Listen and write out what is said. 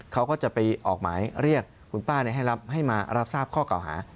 เขาก็จะไปออกหมายเรียกคุณป้าให้มารับทราบข้อเก่าหา